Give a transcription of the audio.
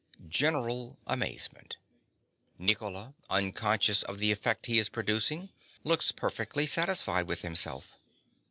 General amazement. Nicola, unconscious of the effect he is producing, looks perfectly satisfied with himself.